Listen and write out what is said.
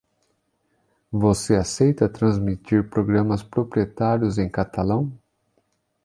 Você aceita transmitir programas proprietários em catalão?